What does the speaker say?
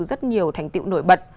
rất nhiều thành tiệu nổi bật